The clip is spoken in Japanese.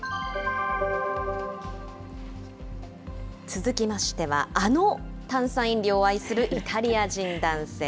続きましては、あの炭酸飲料を愛するイタリア人男性。